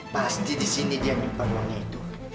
pasti di sini dia minta uangnya itu